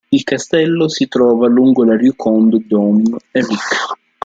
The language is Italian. Il castello si trova si trova lungo la Rua Conde Dom Enrique.